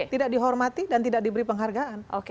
tidak dihormati dan tidak diberi penghargaan